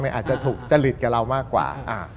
อาจจะถูกจริตกับเรามากกว่า